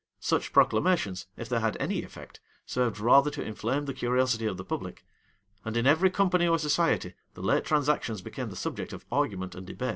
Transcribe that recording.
[v] Such proclamations, if they had any effect, served rather to inflame the curiosity of the public. And in every company or society, the late transactions became the subject of argument and debate. * Franklyn, p.